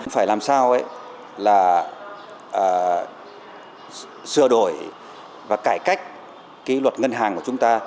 phải làm sao là sửa đổi và cải cách cái luật ngân hàng của chúng ta